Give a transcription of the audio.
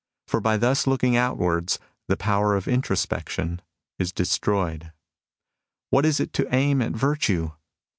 For by thus looking outwards, the power of introspection is de stroyed. ... What is it to aim at virtue